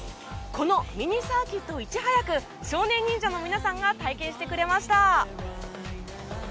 このミニサーキットをいち早く少年忍者の皆さんが体験してくれました。